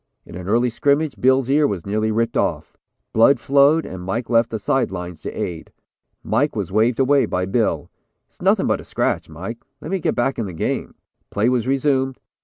In an early scrimmage Bill's ear was nearly ripped off. Blood flowed and Mike left the side lines to aid. Mike was waved away by Bill. 'It's nothing but a scratch, Mike, let me get back in the game.' Play was resumed.